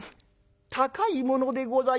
高いものでございます」。